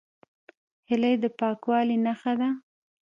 هیلۍ د پاکوالي نښه ده